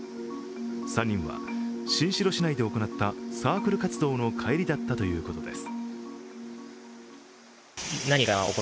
３人は新城市内で行ったサークル活動の帰りだったということです。